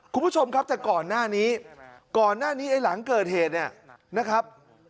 คุณผู้ชมครับแต่ก่อนหน้านี้ไอ้หลังเกิดเหตุนะครับ